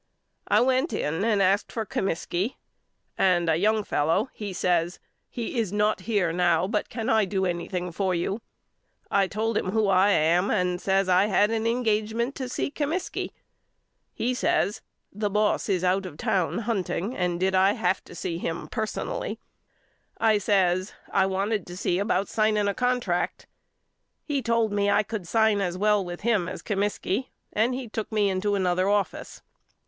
I went in and asked for Comiskey and a young fellow says He is not here now but can I do any thing for you? I told him who I am and says I had an engagement to see Comiskey. He says The boss is out of town hunting and did I have to see him personally 4 ? I says I wanted to see about signing a contract. 12 YOU KNOW ME AL He told me I could sign as well with him as Comiskey and he took me into another office.